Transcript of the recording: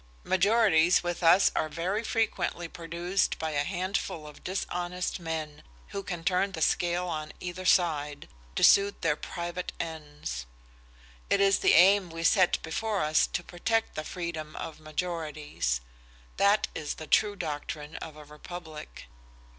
Majorities with us are very frequently produced by a handful of dishonest men, who can turn the scale on either side, to suit their private ends. It is the aim we set before us to protect the freedom of majorities. That is the true doctrine of a republic."